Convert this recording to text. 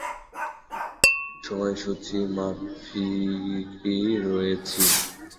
সময়সূচী মাফিকই রয়েছি।